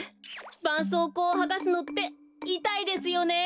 ばんそうこうをはがすのっていたいですよね。